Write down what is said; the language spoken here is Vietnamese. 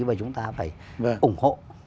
và chúng ta phải ủng hộ